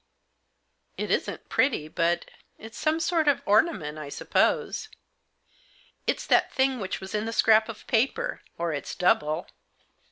" It isn't pretty, but — it's some sort of ornament, I suppose." " It's that thing which was in the scrap of paper, or its double."